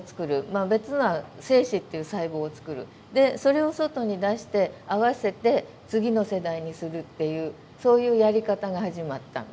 まあ別のは精子っていう細胞を作るでそれを外に出して合わせて次の世代にするっていうそういうやり方が始まったの。